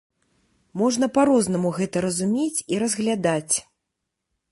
Можна па-рознаму гэта разумець і разглядаць.